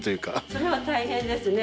それは大変ですね。